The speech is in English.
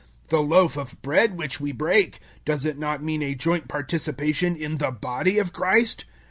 The loaf of bread which we break, does it not mean a joint participation in the body of Christ?